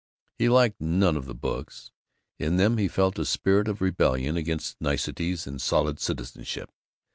He liked none of the books. In them he felt a spirit of rebellion against niceness and solid citizenship.